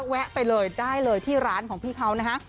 แวะไปเลยได้เลยที่ร้านของพี่เขานะฮะ